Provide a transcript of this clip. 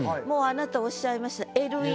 もうあなたおっしゃいました。